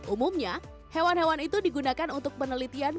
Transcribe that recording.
umumnya hewan hewan itu digunakan untuk penelitian